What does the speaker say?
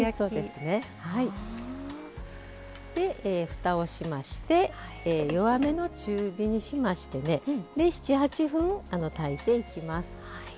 ふたをしまして弱めの中火にしまして７８分、炊いていきます。